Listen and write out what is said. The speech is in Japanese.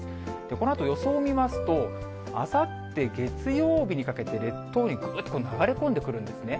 このあと予想を見ますと、あさって月曜日にかけて、列島にぐっと流れ込んでくるんですね。